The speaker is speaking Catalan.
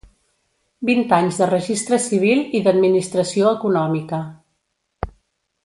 Vint anys de registre civil i d'administració econòmica.